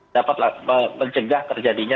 dapat mencegah terjadinya